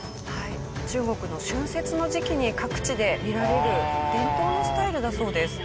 中国の春節の時期に各地で見られる伝統のスタイルだそうです。